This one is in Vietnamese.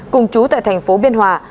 cùng chú tại tp biên hòa